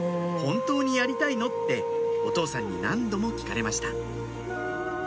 「本当にやりたいの？」ってお父さんに何度も聞かれました